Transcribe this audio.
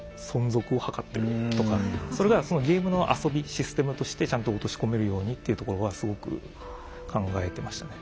それがそのゲームの遊びシステムとしてちゃんと落とし込めるようにっていうところはすごく考えてましたね。